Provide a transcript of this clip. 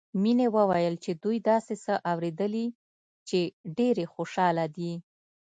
مينې وويل چې دوي داسې څه اورېدلي چې ډېرې خوشحاله دي